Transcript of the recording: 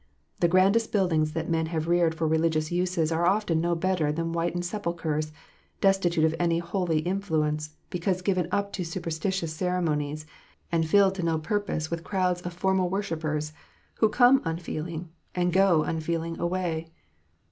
The grandest buildings that men have reared for religious uses are often no better than whitened sepulchres, destitute of any holy influence, because given up to superstitious ceremonies, and rilled to no purpose with crowds of formal worshippers, who come unfeeling, and go unfeeling away.